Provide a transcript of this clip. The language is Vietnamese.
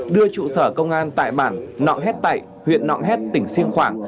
đưa trụ sở công an tại bản nọng hét tạy huyện nọng hét tỉnh siêng khoảng